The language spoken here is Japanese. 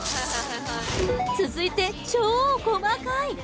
続いて超細かい！